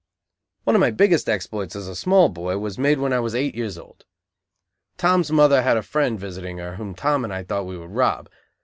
One of my biggest exploits as a small boy was made when I was eight years old. Tom's mother had a friend visiting her, whom Tom and I thought we would rob.